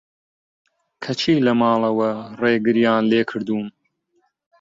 کەچی لە ماڵەوە رێگریان لێکردووم